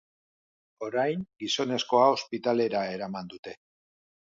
Orain, gizonezkoa ospitalera eraman dute.